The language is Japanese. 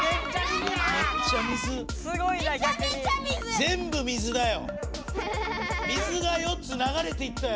全部水だよ！